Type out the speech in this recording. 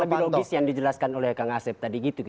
lebih logis yang dijelaskan oleh kang asep tadi gitu